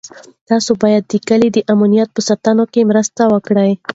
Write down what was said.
تاسو باید د کلي د امنیت په ساتنه کې مرسته وکړئ.